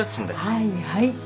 はいはい。